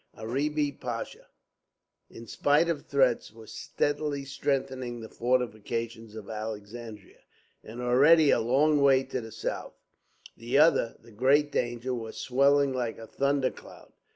Arabi Pasha, in spite of threats, was steadily strengthening the fortifications of Alexandria, and already a long way to the south, the other, the great danger, was swelling like a thunder cloud.